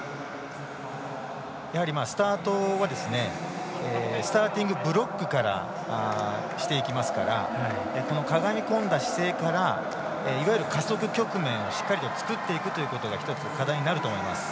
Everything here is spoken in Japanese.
スタートはスターティングブロックからしていきますからかがみこんだ姿勢からいわゆる加速局面をしっかり作っていくということが１つ課題になると思います。